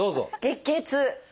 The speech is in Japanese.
月経痛！